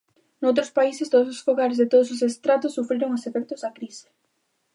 Noutros países todos os fogares de todos os estratos sufriron os efectos da crise.